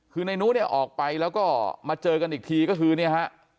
คือในนู้นเนี่ยออกไปแล้วก็มาเจอกันอีกทีก็คือเนี่ยฮะ